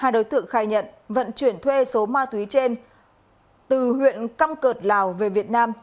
hai đối tượng khai nhận vận chuyển thuê số ma túy trên từ huyện căm cợt lào về việt nam